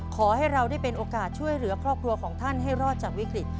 ขอให้เราได้เป็นโอกาสช่วยเหลือครอบครัวของท่านให้รอดจากวิกฤต